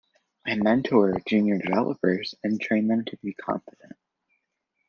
I mentor junior developers and train them to be confident.